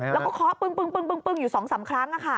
แล้วก็เคาะปึ้งอยู่๒๓ครั้ง